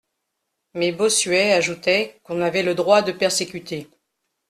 Mais Bossuet ajoutait qu'on avait le droit de persécuter.